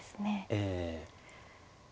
ええ。